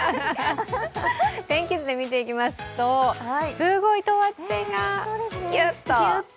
天気図で見ていきますと、すごい等圧線がギュッと。